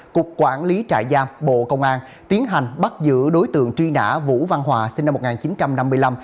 cục quản lý trại giam bộ công an tiến hành bắt giữ đối tượng truy nã vũ văn hòa sinh năm một nghìn chín trăm năm mươi năm